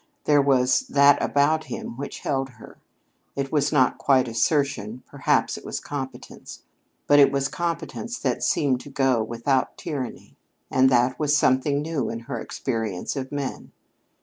There was that about him which held her. It was not quite assertion; perhaps it was competence. But it was competence that seemed to go without tyranny, and that was something new in her experience of men.